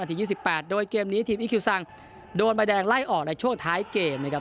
นาทียี่สิบแปดโดยเกมนี้ทีมอิคคิวสังโดนใบแดงไล่ออกในช่วงท้ายเกมนะครับ